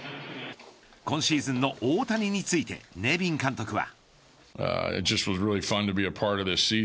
今シーズンの大谷についてネビン監督は。